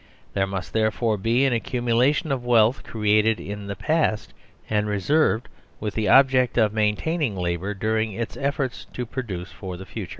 There must therefore be an accumulation of wealth created in the past, and reserved with the object of maintain ing labour during its effort to produce for the future.